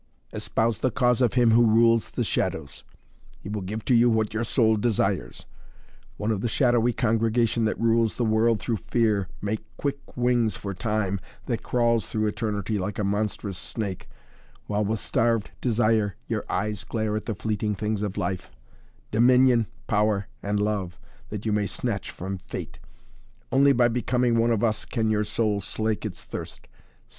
"Espouse the cause of him who rules the shadows. He will give to you what your soul desires. One of the shadowy congregation that rules the world through fear, make quick wings for Time, that crawls through eternity like a monstrous snake, while with starved desire your eyes glare at the fleeting things of life dominion, power and love, that you may snatch from fate! Only by becoming one of us can your soul slake its thirst.